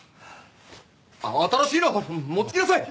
新しいの持ってきなさい！